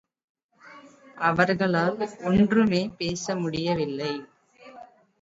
அவர்களால் ஒன்றுமே பேச முடியவில்லை.